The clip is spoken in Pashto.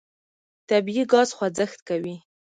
طبیعي ګاز خوځښت کوي.